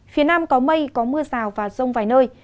phía nam có mây có mưa rào và rông vài nơi